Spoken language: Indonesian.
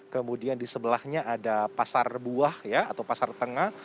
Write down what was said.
kemudian di sebelahnya ada pasar buah ya atau pasar tengah